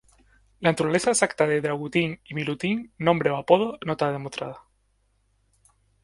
La naturaleza exacta de Dragutin y Milutin -nombres o apodos- no está demostrada.